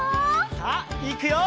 さあいくよ！